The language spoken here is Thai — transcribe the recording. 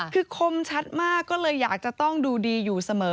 คือคมชัดมากก็เลยอยากจะต้องดูดีอยู่เสมอ